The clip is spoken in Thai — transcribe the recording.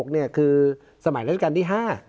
๒๔๔๖เนี่ยคือสมัยรัฐการณ์ที่๕